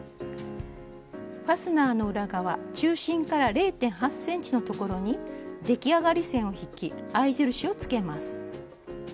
ファスナーの裏側中心から０．８ｃｍのところに出来上がり線を引き合い印をつけます。